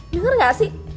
dengar gak sih